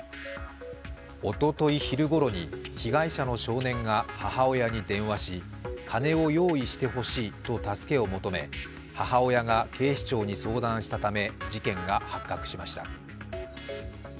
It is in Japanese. おととい昼ごろに被害者の少年が母親に電話し金を用意してほしいと助けを求め母親が警視庁に相談したため事件が発覚しました。